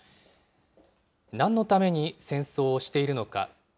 なんのために戦争をしているのか。